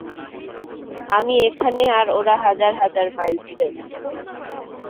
আমি এখানে, আর ওরা হাজার হাজার মাইল দূরে!